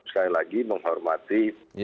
sekali lagi menghormati